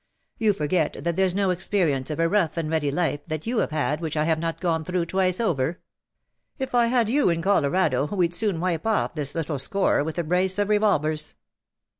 You forget that there's no experience of a rough and ready life that you have had which I have not gone through twice over. If I had you in Colorado we'd soon wipe off this little score with a brace of revolvers."